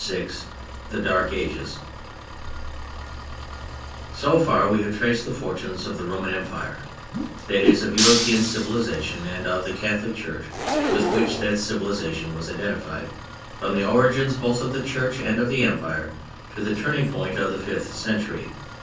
VI THE DARK AGES So far we have traced the fortunes of the Roman Empire (that is of European civilization and of the Catholic Church with which that civilization was identified) from the origins both of the Church and of the Empire, to the turning point of the fifth century.